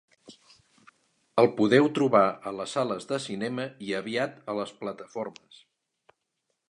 El podeu trobar a les sales de cinema i aviat a les plataformes.